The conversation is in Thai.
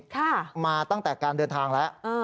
มาตั้งแต่การเดินทางแล้ว